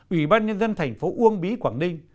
ủy ban nhân dân thành phố uông bí quảng ninh